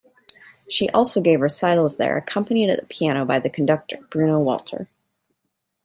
She also gave recitals there accompanied at the piano by the conductor Bruno Walter.